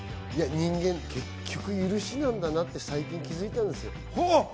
人間、結局は許しなんだなって最近気づいたんですよ。